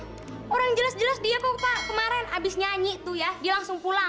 orang jelas jelas dia kok pak kemarin habis nyanyi tuh ya dia langsung pulang